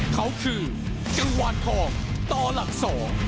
เขาคือกังวานทองต่อหลักสอง